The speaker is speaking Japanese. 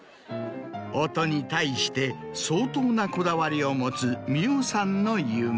音に対して相当なこだわりを持つ美音さんの夢。